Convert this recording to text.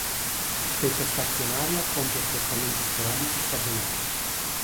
Specie stazionaria compie spostamenti sporadici stagionali.